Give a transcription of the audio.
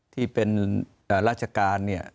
ที่เป็นราชการเนี่ย